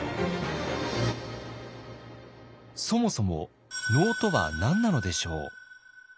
そもそも能とは何なのでしょう？